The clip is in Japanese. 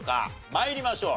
参りましょう。